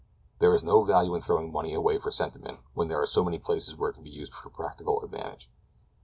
There is no value in throwing money away for sentiment when there are so many places where it can be used to practical advantage.